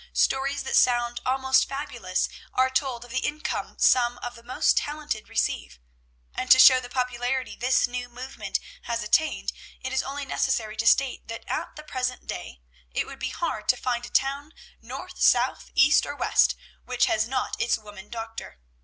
Stories that sound almost fabulous are told of the income some of the most talented receive; and to show the popularity this new movement has attained, it is only necessary to state that at the present day it would be hard to find a town, north, south, east, or west, which has not its woman doctor.